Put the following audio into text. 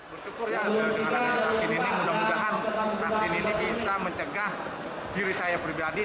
bersyukur ya dengan adanya vaksin ini mudah mudahan vaksin ini bisa mencegah diri saya pribadi